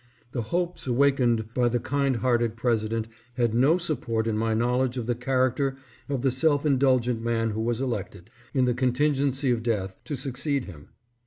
The hopes awak ened by the kind hearted President had no support in my knowledge of the character of the self indulgent man who was elected, in the contingency of death, to succeed him.